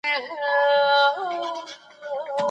هغوی د خاطب مزاج ته ارزښت نه دی ورکړی.